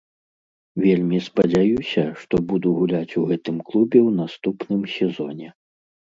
Вельмі спадзяюся, што буду гуляць у гэтым клубе ў наступным сезоне.